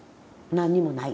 何にもない。